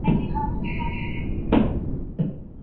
هر څوک چي کمپیوټر کاروي باید ټایپنګ زده کړي.